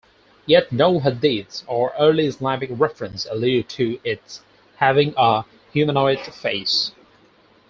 Yet no hadiths or early Islamic references allude to it having a humanoid face.